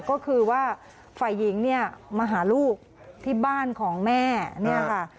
ก็คือว่าฝ่ายหญิงเนี่ยมาหาลูกที่บ้านของแม่เนี่ยค่ะ